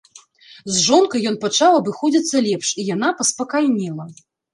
З жонкай ён пачаў абыходзіцца лепш, і яна паспакайнела.